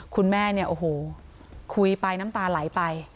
คุณแม่เนี่ยโอ้โหคุยไปน้ำตาไหลไป